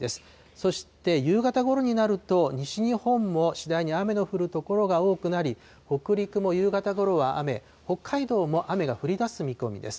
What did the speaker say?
そして夕方ごろになると、西日本も次第に雨の降る所が多くなり、北陸も夕方ごろは雨、北海道も雨が降りだす見込みです。